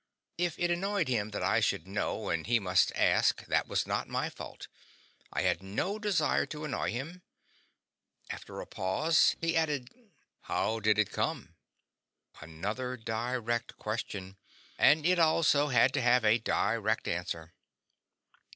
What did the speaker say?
If it annoyed him that I should know and he must ask; that was not my fault; I had no desire to annoy him. After a pause he asked: "How did it come?" Another direct question, and it also had to have a direct answer.